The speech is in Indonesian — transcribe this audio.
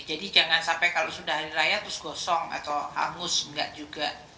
jadi jangan sampai kalau sudah hari raya terus gosong atau hangus nggak juga